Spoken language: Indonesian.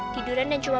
tiduran dan cuma malu